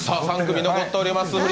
３組残っております。